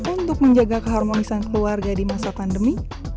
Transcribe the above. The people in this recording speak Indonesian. untuk menjaga keharmonisan keluarga di masa pandemi